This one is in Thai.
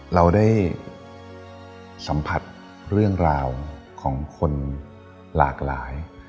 เราได้สัมผัสเรื่องราวของคนหลากหลาย